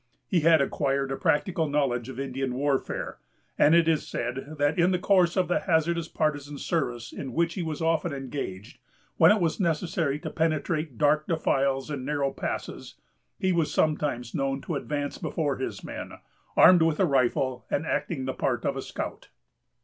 He had acquired a practical knowledge of Indian warfare; and it is said that, in the course of the hazardous partisan service in which he was often engaged, when it was necessary to penetrate dark defiles and narrow passes, he was sometimes known to advance before his men, armed with a rifle, and acting the part of a scout.